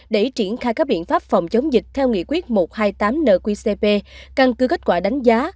để triển khai các biện pháp phòng chống dịch theo nghị quyết một trăm hai mươi tám nqcp căn cứ kết quả đánh giá